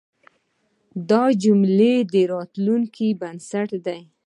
دا جملې د راتلونکي بنسټ دی.